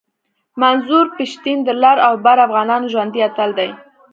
منظور پشتین د لر او بر افغانانو ژوندی اتل دی